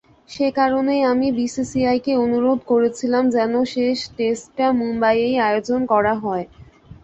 সেকারণেই আমি বিসিসিআইকে অনুরোধ করেছিলাম যেন শেষ টেস্টটা মুম্বাইয়েই আয়োজন করা হয়।